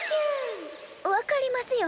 分かりますよ。